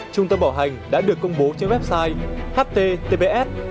trung tâm bảo hành đã được công bố trên website ht tbs hai kk